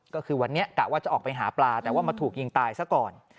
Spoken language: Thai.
ก็คือวันนี้กะว่าจะออกไปหาปลาแต่ว่ามาถูกยิงตายซะก่อน